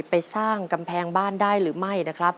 ไปสร้างกำแพงบ้านได้หรือไม่นะครับ